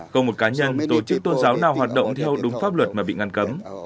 không một cá nhân tổ chức tôn giáo nào hoạt động theo đúng pháp luật mà bị ngăn cấm